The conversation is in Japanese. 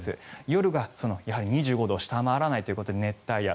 夜が、やはり２５度を下回らないということで熱帯夜。